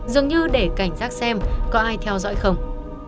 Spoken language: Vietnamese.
dường như để cảnh giác xem có ai theo dõi không